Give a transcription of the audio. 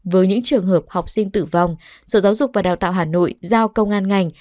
với những trường hợp học sinh tử vong sở giáo dục và đào tạo hà nội giao công an ngành